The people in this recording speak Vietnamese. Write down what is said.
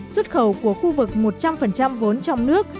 xuất khẩu của khu vực một trăm linh vốn trong nước